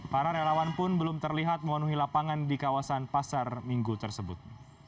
para relawan pun belum terlihat memenuhi lapangan di kawasan pasar minggu tersebut